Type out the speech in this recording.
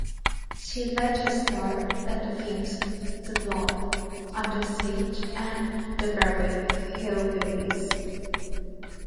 She later starred in the films "The Blob", "Under Siege" and "The Beverly Hillbillies".